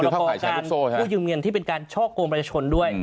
ผู้ยืมเงินที่เป็นการช่อกโครงประชนด้วย